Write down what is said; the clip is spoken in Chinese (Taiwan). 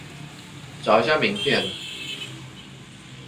找一下名片